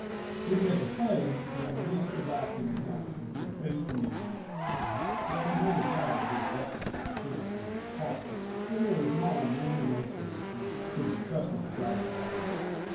We had decided that we must go back in the morning and face the music. We had no desire to be arrested for stealing Weaver's car, and there was not a man in Osage who could be trusted to drive it back.